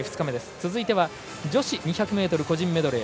続いては女子２００ｍ個人メドレー。